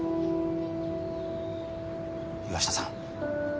岩下さん